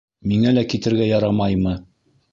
Миңә лә китергә ярамаймы?